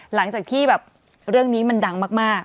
หลังจากที่แบบเรื่องนี้มันดังมาก